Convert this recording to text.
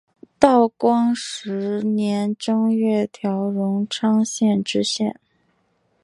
道光十年正月调荣昌县知县。